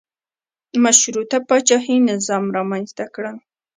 مشروطه پاچاهي نظام رامنځته کړل.